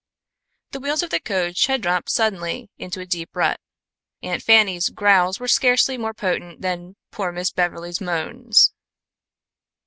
The wheels of the coach had dropped suddenly into a deep rut. Aunt Fanny's growls were scarcely more potent than poor Miss Beverly's moans.